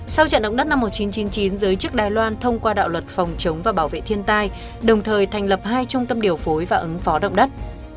sau trận động đất năm một nghìn chín trăm chín mươi chín giới chức đài loan thông qua đạo luật phòng chống và bảo vệ thiên tai đồng thời thành lập hai trung tâm điều phối và ứng phó động đất